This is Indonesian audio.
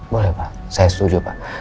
boleh pak saya setuju pak